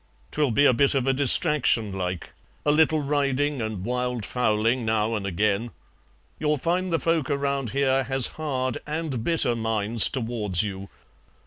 'Twill be a bit of a distraction like, a little riding and wild fowling now and agen. You'll find the folk around here has hard and bitter minds towards you.